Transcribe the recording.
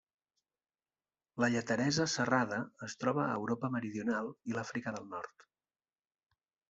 La lleteresa serrada es troba a Europa meridional i l'Àfrica del nord.